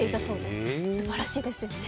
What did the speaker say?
すばらしいですね。